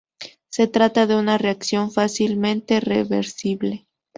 Se trata de una reacción fácilmente reversible.